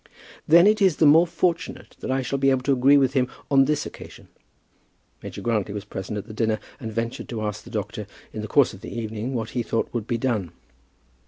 "Then it is the more fortunate that I shall be able to agree with him on this occasion." Major Grantly was present at the dinner, and ventured to ask the doctor in the course of the evening what he thought would be done.